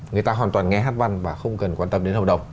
người ta hoàn toàn nghe hát văn và không cần quan tâm đến hầu đồng